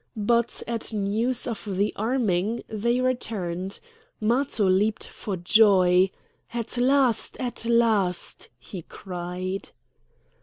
But at news of the arming they returned; Matho leaped for joy. "At last! at last!" he cried.